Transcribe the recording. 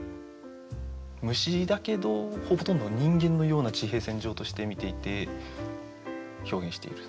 虫だけどほとんど人間のような地平線上として見ていて表現している。